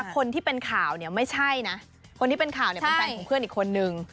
คนที่เป็นข่าวเนี่ยเป็นแฟนของเพื่อนอีกคนนึง